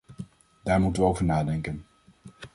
Daar moeten we over nadenken.